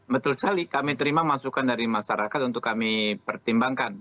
betul sekali kami terima masukan dari masyarakat untuk kami pertimbangkan